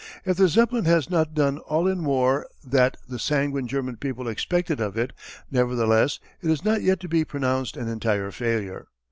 If the Zeppelin has not done all in war that the sanguine German people expected of it, nevertheless it is not yet to be pronounced an entire failure.